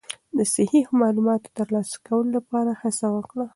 د صحیح معلوماتو ترلاسه کولو لپاره هڅه وکړئ.